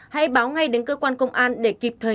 hãy báo ngay đến cơ quan công an để kịp thời